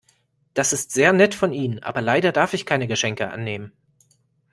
Das ist sehr nett von Ihnen, aber leider darf ich keine Geschenke annehmen.